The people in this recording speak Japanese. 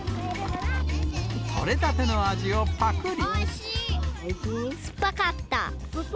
取れたての味をぱくり。